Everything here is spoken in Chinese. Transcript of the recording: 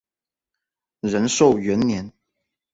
仁寿元年。